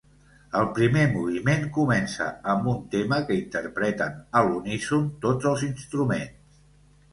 El primer moviment comença amb un tema que interpreten a l'uníson tots els instruments.